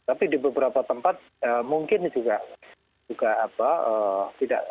tapi di beberapa tempat mungkin juga apa tidak